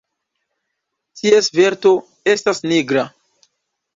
Ties verto estas nigra.